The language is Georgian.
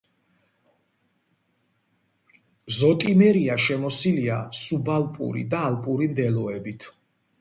ზოტიმერია შემოსილია სუბალპური და ალპური მდელოებით.